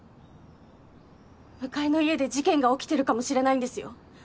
向かいの家で事件が起きてるかもしれないんですよ？